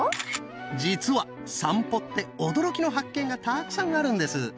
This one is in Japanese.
実は散歩って驚きの発見がたくさんあるんです。